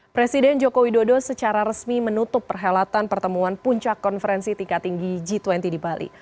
presiden joko widodo secara resmi menutup perhelatan pertemuan puncak konferensi tingkat tinggi g dua puluh di bali